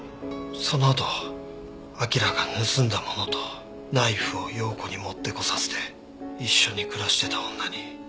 そのあとアキラが盗んだものとナイフを陽子に持ってこさせて一緒に暮らしてた女に。